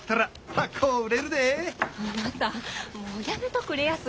あなたもうやめとくれやす。